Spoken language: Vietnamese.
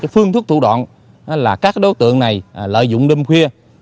phương thức thủ đoạn là các đối tượng này lợi dụng đêm khuya